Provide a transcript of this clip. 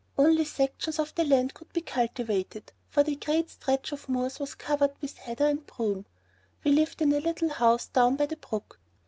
Only sections of the land could be cultivated, for the great stretch of moors was covered with heather and broom. We lived in a little house down by the brook.